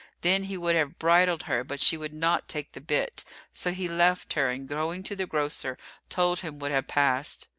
Then he would have bridled her, but she would not take the bit; so he left her and, going to the grocer, told him what had passed.